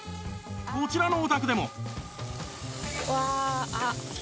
こちらのお宅でも